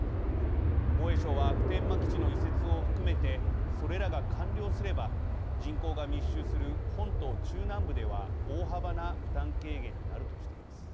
防衛省は普天間基地の移設を含めてそれらが完了すれば人口が密集する本島中南部では大幅な負担軽減になるとしています。